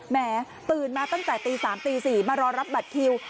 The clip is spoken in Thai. แหมตื่นมาตั้งแต่ตี๓ตี๔มารอรับบัตรคิว